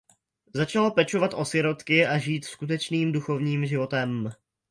Začala pečovat o sirotky a žít skutečným duchovním životem.